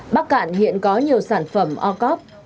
bắc cạn hiện có nhiều sản phẩm ô cốt